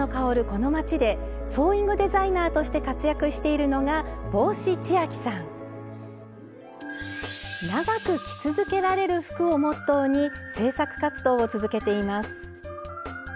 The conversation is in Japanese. この町でソーイングデザイナーとして活躍しているのが帽子千秋さん。をモットーに製作活動を続けています。